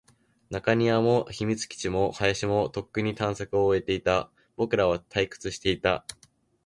中庭も、秘密基地も、林も、とっくに探索を終えていた。僕らは退屈していた。